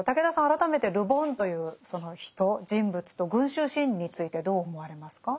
改めてル・ボンというその人人物と「群衆心理」についてどう思われますか？